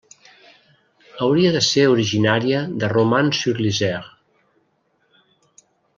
Hauria de ser originària de Romans-sur-Isère.